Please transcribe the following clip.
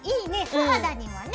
素肌にもね！